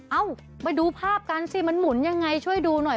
เอ้าไปดูภาพกันสิมันหมุนยังไงช่วยดูหน่อย